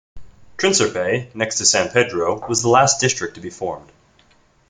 Trintxerpe, next to San Pedro, was the last district to be formed.